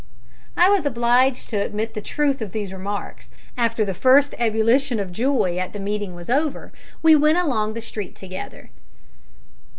I was obliged to admit the truth of these remarks. After the first ebullition of joy at the meeting was over, we went along the street together.